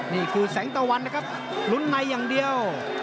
นี่คือแสงตะวันนะครับลุ้นในอย่างเดียว